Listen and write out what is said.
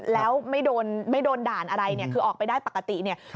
แล้วไม่โดนด่านอะไรคือออกไปได้ปกติ